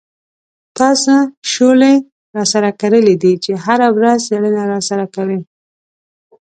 تا څه شولې را سره کرلې دي چې هره ورځ څېړنه را سره کوې.